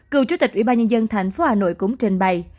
cựu chủ tịch ủy ban nhân dân thành phố hà nội cũng trình bày